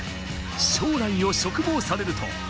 将来を嘱望されると。